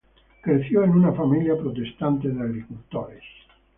Creció en una familia protestante de agricultores.